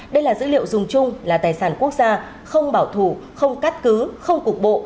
đây là dữ liệu dùng chung là tài sản quốc gia không bảo thủ không cắt cứ không cục bộ